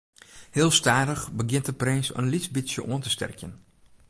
Heel stadich begjint de prins in lyts bytsje oan te sterkjen.